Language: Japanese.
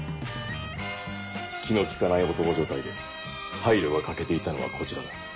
気の利かない男所帯で配慮が欠けていたのはこちらだ。